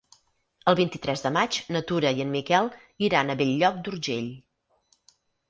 El vint-i-tres de maig na Tura i en Miquel iran a Bell-lloc d'Urgell.